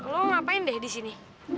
lo ngapain deh di sini